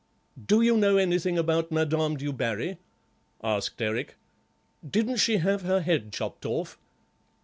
"Do you know anything about Madame Du Barry?" asked Eric; "didn't she have her head chopped off?"